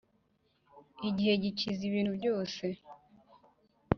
igihe gikiza ibintu byose.